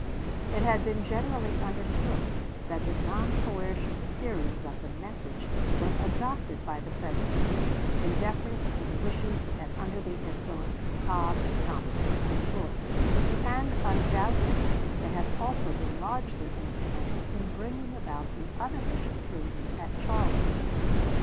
It had been generally understood that the non coercion theories of the message were adopted by the President in deference to the wishes and under the influence of Cobb, Thompson, and Floyd, and undoubtedly they had also been largely instrumental in bringing about the unofficial truce at Charleston.